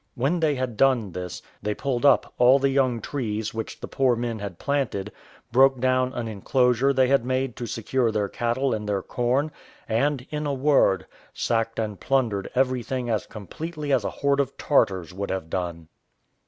When they had done this, they pulled up all the young trees which the poor men had planted; broke down an enclosure they had made to secure their cattle and their corn; and, in a word, sacked and plundered everything as completely as a horde of Tartars would have done.